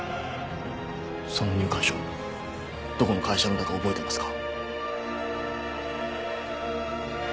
その入館証どこの会社のだか覚えてますか？